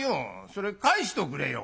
それ返しておくれよ」。